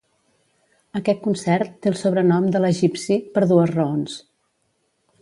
Aquest concert té el sobrenom de "L'egipci" per dues raons.